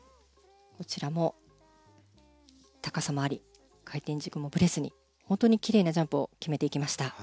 こちらも高さもあり回転軸もぶれずに本当に奇麗なジャンプを決めていきました。